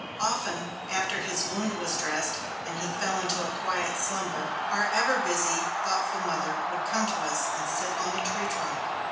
Often, after his wound was dressed and he fell into a quiet slumber, our ever busy, thoughtful mother would come to us and sit on the tree trunk.